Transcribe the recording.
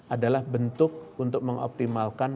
adalah bentuk untuk mengoptimalkan